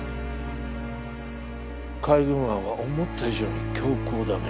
海軍案は思った以上に強硬だね。